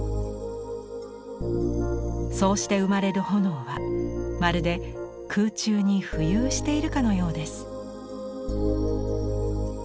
そうして生まれる炎はまるで空中に浮遊しているかのようです。